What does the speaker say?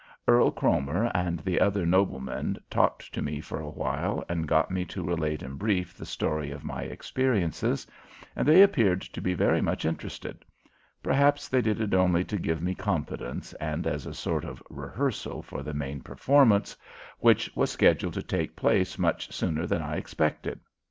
Earl Cromer and the other noblemen talked to me for a while and got me to relate in brief the story of my experiences, and they appeared to be very much interested. Perhaps they did it only to give me confidence and as a sort of rehearsal for the main performance, which was scheduled to take place much sooner than I expected.